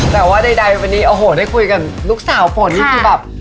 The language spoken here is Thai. แต่ว่าใดวันนี้โอ้โหได้คุยกับลูกสาวฝนนี่คือแบบ